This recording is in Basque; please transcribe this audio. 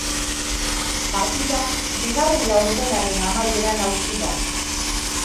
Partida bigarren laurdenaren amaieran hautsi da.